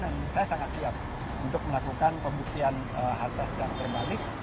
dan saya sangat siap untuk melakukan pembuktian harta terbalik